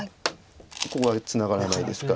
ここがツナがらないですから。